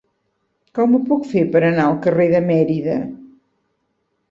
Com ho puc fer per anar al carrer de Mérida?